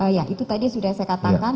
ya itu tadi sudah saya katakan